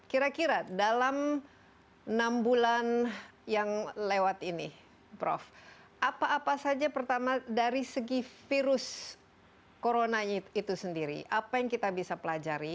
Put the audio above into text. kira kira dalam enam bulan yang lewat ini prof apa apa saja pertama dari segi virus corona itu sendiri apa yang kita bisa pelajari